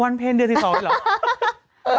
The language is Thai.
วันเพนเดือนเดือนที่สองนะครับ